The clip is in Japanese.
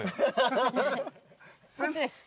こっちです。